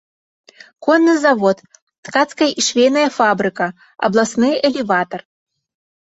Конны завод, ткацкая і швейная фабрыка, абласны элеватар.